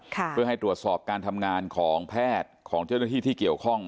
เพื่อให้ตรวจสอบการทำงานของแพทย์ของเจ้าหน้าที่ที่เกี่ยวข้อง